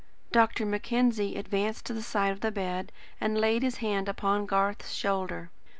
Dr. Mackenzie advanced to the side of the bed and laid his hand upon Garth's shoulder.